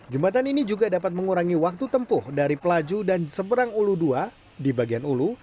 jembatan ini juga dapat mengurangi waktu tempuh dari pelaju dan seberang ulu dua di bagian ulu